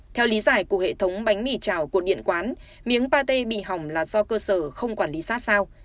theo lý giải của hệ thống bánh mì trào cột điện quán miếng pate bị hỏng là do cơ sở không quản lý sát sao